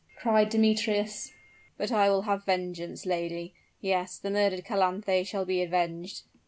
cried Demetrius. "But I will have vengeance, lady; yes, the murdered Calanthe shall be avenged!"